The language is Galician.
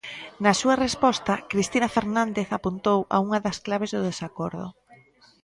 Na súa resposta, Cristina Fernández apuntou a unha das claves do desacordo.